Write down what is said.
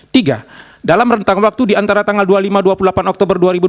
tiga dalam rentang waktu di antara tanggal dua puluh lima dua puluh delapan oktober dua ribu dua puluh